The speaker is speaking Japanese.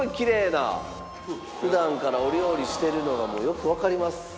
普段からお料理してるのがもうよくわかります。